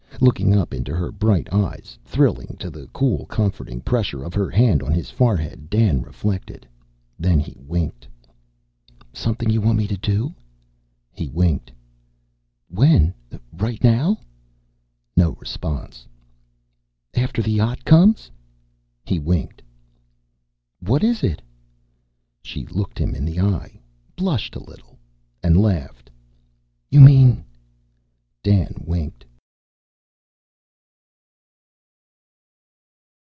Looking up into her bright eyes, thrilling to the cool, comforting pressure of her hand on his forehead, Dan reflected. Then he winked. "Something you want me to do?" He winked. "When? Right now?" No response. "After the yacht comes." He winked. "What is it?" She looked him in the eye, blushed a little, and laughed. "You mean " Dan winked.